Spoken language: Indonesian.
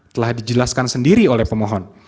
telah dijelaskan sendiri oleh pemohon